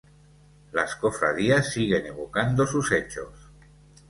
Las cofradías siguen evocando sus hechos.